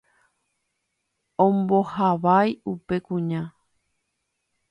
ombohavái upe kuña.